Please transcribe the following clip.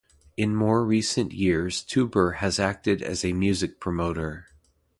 In more recent years Touber has acted as a music promoter.